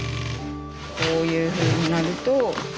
こういうふうになると。